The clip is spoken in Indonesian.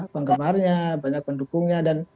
penggemarnya banyak pendukungnya dan